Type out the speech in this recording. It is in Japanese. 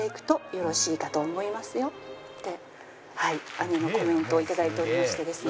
姉のコメントを頂いておりましてですね。